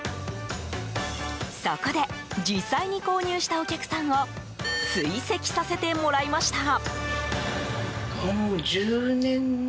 そこで実際に購入したお客さんを追跡させてもらいました。